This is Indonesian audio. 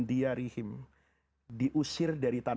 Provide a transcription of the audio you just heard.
karena mereka diusir dari tersebut